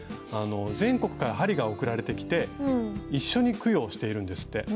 あの全国から針が送られてきて一緒に供養しているんですって。